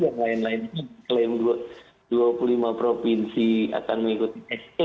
yang lain lainnya diklaim dua puluh lima provinsi akan mengikuti sc